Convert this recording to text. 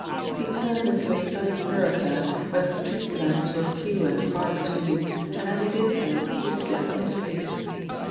He turned into a side thoroughfare where the street lamps were few and far between, and as he did so he slackened his pace.